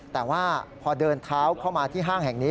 แต่ว่าพอเดินเท้าเข้ามาที่ห้างแห่งนี้